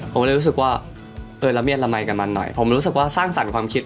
ผมก็เลยรู้สึกว่าเออละเมียดละมัยกับมันหน่อยผมรู้สึกว่าสร้างสรรค์ความคิด